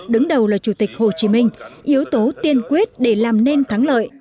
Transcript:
đứng đầu là chủ tịch hồ chí minh yếu tố tiên quyết để làm nên thắng lợi